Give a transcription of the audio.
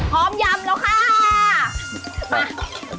พร้อมยำละค่ะ